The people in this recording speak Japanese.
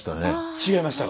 違いましたか？